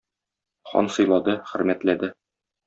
Хан сыйлады, хөрмәтләде.